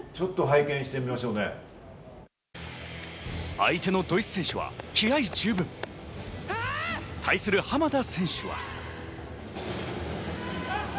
相手のドイツ選手は気合十分。対する浜田選手は。